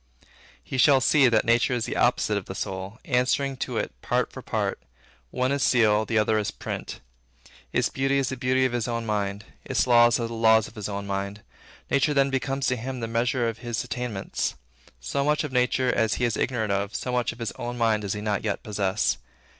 He shall see, that nature is the opposite of the soul, answering to it part for part. One is seal, and one is print. Its beauty is the beauty of his own mind. Its laws are the laws of his own mind. Nature then becomes to him the measure of his attainments. So much of nature as he is ignorant of, so much of his own mind does he not yet possess.